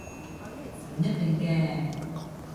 唔一定嘅